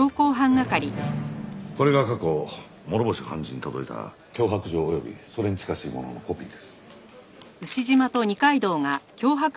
これが過去諸星判事に届いた脅迫状及びそれに近しいもののコピーです。